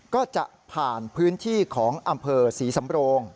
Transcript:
ก็จะผ่านพื้นที่ของอำเภอศรีสำโรง